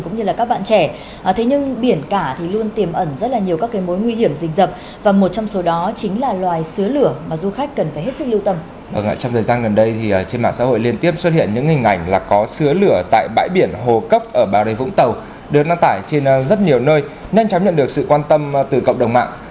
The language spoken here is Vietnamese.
những hình ảnh là có sứa lửa tại bãi biển hồ cốc ở bảo đề vũng tàu được đăng tải trên rất nhiều nơi nhanh chóng nhận được sự quan tâm từ cộng đồng mạng